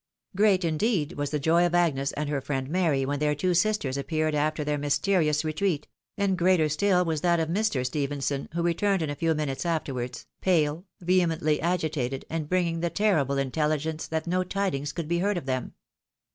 Great, indeed, was the joy of Agnes and her friend Mary, ■when their two sisters appeared after their mysterious retreat, and greater stiU was that of Mr. Stephenson, who returned in a few minutes afterwards pale, vehemently agitated, and bringing the terrible intelligence that no tidings could be heard of them.